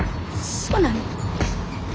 そうなの？